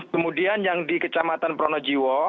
kemudian yang di kecamatan pronojiwo